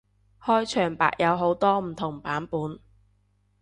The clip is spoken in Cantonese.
開場白有好多唔同版本